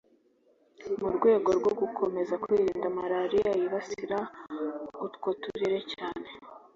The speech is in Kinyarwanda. mu rwego rwo gukomeza kwirinda malariya yibasira utwo turere cyane